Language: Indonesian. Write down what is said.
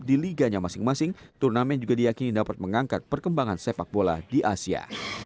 di liganya masing masing turnamen juga diakini dapat mengangkat perkembangan sepak bola di asia